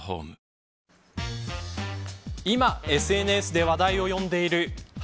今ＳＮＳで話題を呼んでいる♯